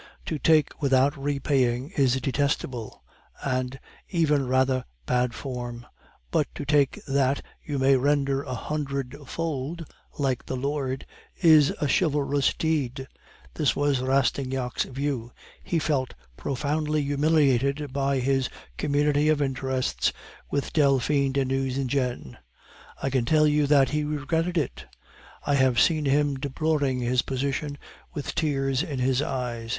To take without repaying is detestable, and even rather bad form; but to take that you may render a hundred fold, like the Lord, is a chivalrous deed. This was Rastignac's view. He felt profoundly humiliated by his community of interests with Delphine de Nucingen; I can tell you that he regretted it; I have seen him deploring his position with tears in his eyes.